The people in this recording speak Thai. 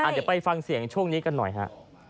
เดี๋ยวไปฟังเสียงช่วงนี้กันหน่อยฮะ